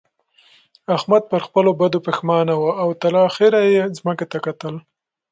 احمد پر خپلو بدو پېښمانه وو او تر اخېره يې ځمکې ته کتل.